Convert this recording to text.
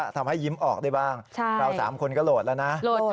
ทำให้ยิ้มออกได้บ้างเรา๓คนก็โหลดแล้วนะ